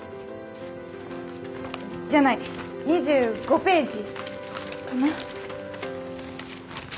じゃない２５ページかな？